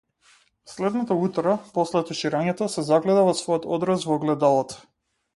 Следното утро, после туширањето, се загледа во својот одраз во огледалото.